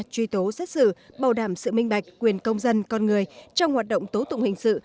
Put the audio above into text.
truy tố xét xử bảo đảm sự minh bạch quyền công dân con người trong hoạt động tố tụng hình sự